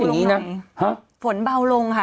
กรมป้องกันแล้วก็บรรเทาสาธารณภัยนะคะ